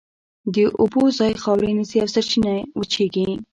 د اوبو ځای خاورې نیسي او سرچینه وچېږي.